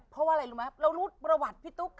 เพราะว่าอะไรรู้ไหมเรารู้ประวัติพี่ตุ๊ก